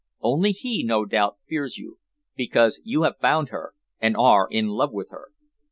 Only he, no doubt, fears you, because you have found her, and are in love with her."